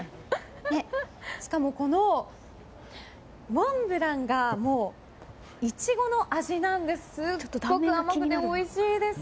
しかも、モンブランがイチゴの味なのですごく甘くておいしいです。